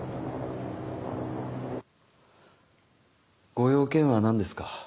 ご用件は何ですか？